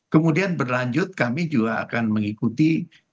kemudian berlanjut kami juga akan mengikuti